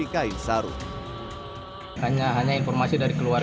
jangan ngecak itu